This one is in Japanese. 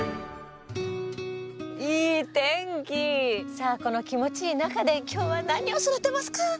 さあこの気持ちいい中で今日は何を育てますか？